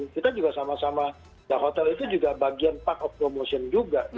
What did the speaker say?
kita juga sama sama ya hotel itu juga bagian part of promotion juga